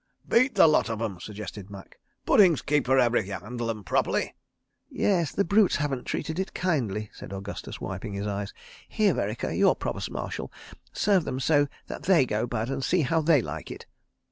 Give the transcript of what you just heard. "Beat the lot of them," suggested Macke. "Puddings keep for ever if you handle 'em properly." "Yes—the brutes haven't treated it kindly," said Augustus, wiping his eyes. "Here, Vereker, you're Provost Marshal. Serve them so that they go bad—and see how they like it."